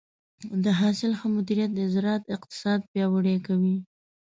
د حاصل ښه مدیریت د زراعت اقتصاد پیاوړی کوي.